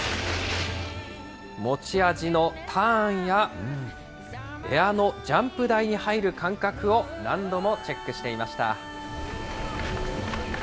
持ち味のターンやエアのジャンプ台に入る感覚を何度もチェックしていました。